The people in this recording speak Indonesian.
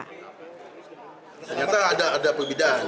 ternyata ada perbedaan